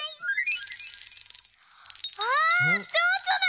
あっちょうちょだ！